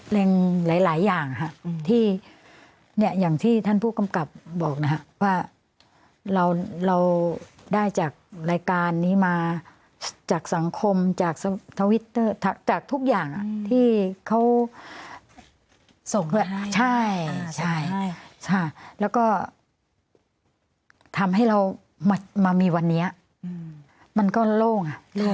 แรงหลายอย่างที่อย่างที่ท่านผู้กำกับบอกนะครับว่าเราได้จากรายการนี้มาจากสังคมจากทวิตเตอร์จากทุกอย่างที่เขาส่งด้วยใช่แล้วก็ทำให้เรามามีวันนี้มันก็โล่ง